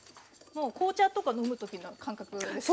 もう紅茶とか飲む時の感覚ですよね。